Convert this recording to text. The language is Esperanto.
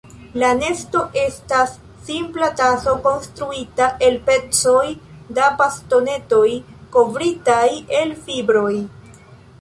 La nesto estas simpla taso konstruita el pecoj da bastonetoj kovritaj el fibroj.